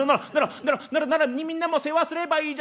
「ならならならみんなも世話すればいいじゃないか！」。